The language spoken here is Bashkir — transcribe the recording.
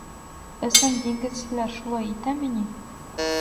Ысын диңгеҙселәр шулай итәме ни?